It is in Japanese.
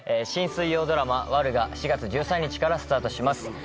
新水曜ドラマ『悪女』が４月１３日からスタートします。